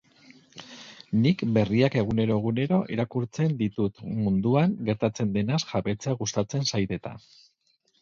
Nik berriak egunero-egunero irakurtzen ditut, munduan gertatzen denaz jabetzea gustatzen zait eta.